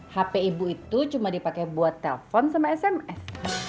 hp ibu itu cuma dipakai buat telpon sama sms